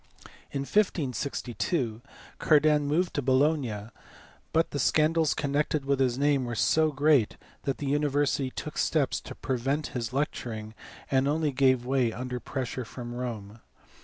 In 1562 Cardan moved to Bologna, but the scandals connected with his name were so great that the university took steps to prevent his lecturing, and only gave way under pressure from Rome.